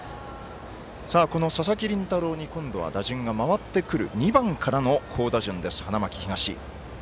佐々木麟太郎に今度は打順が回ってくる２番からの好打順です、花巻東。